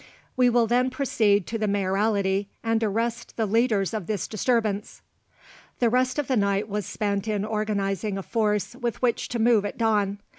"We will then proceed to the Mayoralty and arrest the leaders of this disturbance." The rest of the night was spent in organising a force with which to move at dawn.